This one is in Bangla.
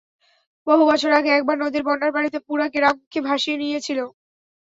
বহু বছর আগে একবার নদীর বন্যার পানিতে পুরা গ্রামকে ভাসিয়ে নিয়েছিল।